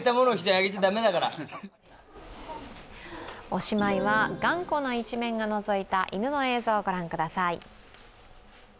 おしまいは、頑固な一面がのぞいた犬の映像を御覧ください。